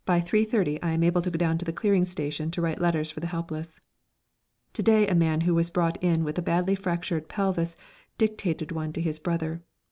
30 I am able to go down to the clearing station to write letters for the helpless. To day a man who was brought in with a badly fractured pelvis dictated one to his brother.